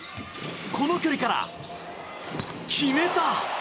この距離から、決めた！